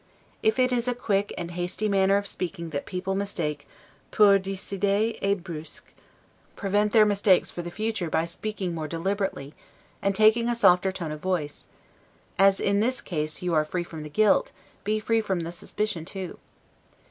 If it is a quick and hasty manner of speaking that people mistake 'pour decide et brusque', prevent their mistakes for the future by speaking more deliberately, and taking a softer tone of voice; as in this case you are free from the guilt, be free from the suspicion, too.